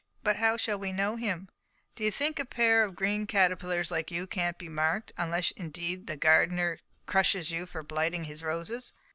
"But how shall we know him?" "D'ye think a pair of green caterpillars like you can't be marked—unless indeed the gardener crushes you for blighting his roses."